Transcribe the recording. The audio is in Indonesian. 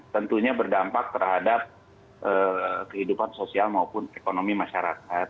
tentunya berdampak terhadap kehidupan sosial maupun ekonomi masyarakat